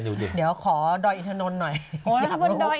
ดูดิเดี๋ยวขอดอยอิทธนนนหน่อยโอ้โหนะครับบนดอยอิทธนน